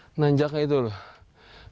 menanjaknya itu loh